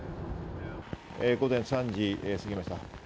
午前３時過ぎました。